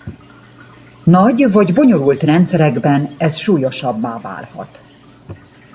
Nagy vagy bonyolult rendszerekben ez súlyosabbá válhat.